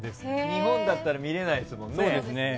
日本だったら見れないですもんね。